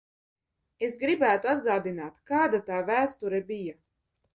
Es gribētu atgādināt, kāda tā vēsture bija.